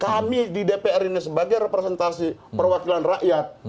kami di dpr ini sebagai representasi perwakilan rakyat